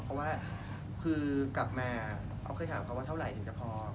เพราะว่าคือกลับมาออฟเคยถามเขาว่าเท่าไหร่ถึงจะพอ